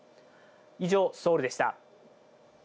以上、ソウルでした。